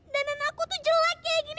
dan anakku tuh jelek kayak gini